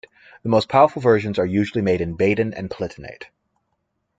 The most powerful versions are usually made in Baden and Palatinate.